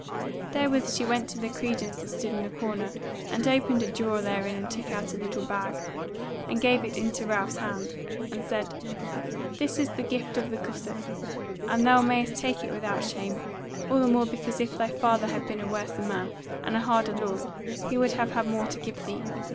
Therewith she went to the credence that stood in a corner, and opened a drawer therein and took out a little bag, and gave it into Ralph's hand, and said: "This is the gift of the gossip; and thou mayst take it without shame; all the more because if thy father had been a worser man, and a harder lord he would have had more to give thee.